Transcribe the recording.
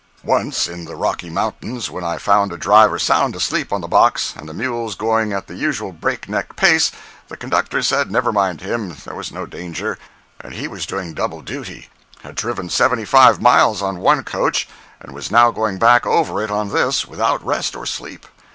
Once, in the Rocky Mountains, when I found a driver sound asleep on the box, and the mules going at the usual break neck pace, the conductor said never mind him, there was no danger, and he was doing double duty—had driven seventy five miles on one coach, and was now going back over it on this without rest or sleep.